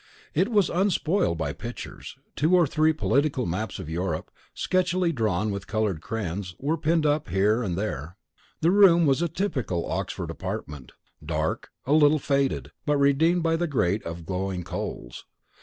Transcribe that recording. It was unspoiled by pictures: two or three political maps of Europe, sketchily drawn with coloured crayons, were pinned up here and there. The room was a typical Oxford apartment: dark, a little faded, but redeemed by the grate of glowing coals.